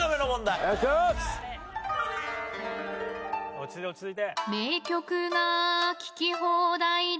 落ち着いて落ち着いて。